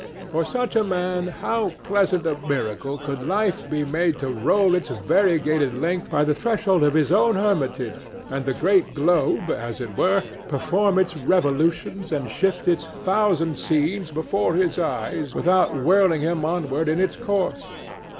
For such a man how pleasant a miracle could life be made to roll its variegated length by the threshold of his own hermitage, and the great globe, as it were, perform its revolutions and shift its thousand scenes before his eyes without whirling him onward in its course!